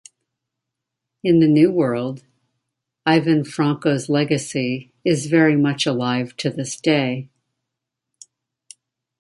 In the new world, Ivan Franko's legacy is very much alive to this day.